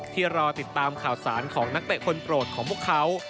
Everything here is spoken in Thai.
รอติดตามข่าวสารของนักเตะคนโปรดของพวกเขา